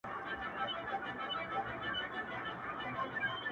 o د ړندو په ښار کي يو سترگی باچا دئ.